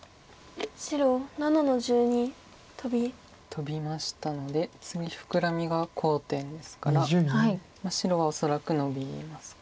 トビましたので次フクラミが好点ですから白は恐らくノビますか。